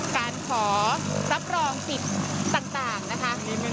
การขอรับรองสิทธิ์ต่างนะคะ